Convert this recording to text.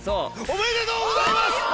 おめでとうございます！